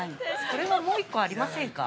◆これはもう一個ありませんか。